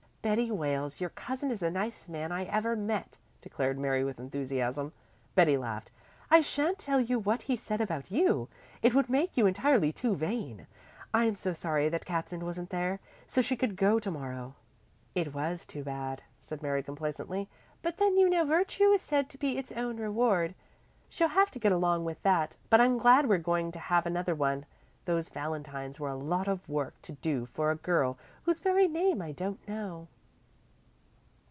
"Betty Wales, your cousin is the nicest man I ever met," declared Mary with enthusiasm. Betty laughed. "I shan't tell you what he said about you. It would make you entirely too vain. I'm so sorry that Katherine wasn't there, so she could go to morrow." "It was too bad," said Mary complacently. "But then you know virtue is said to be its own reward. She'll have to get along with that, but I'm glad we're going to have another one. Those valentines were a lot of work to do for a girl whose very name I don't know."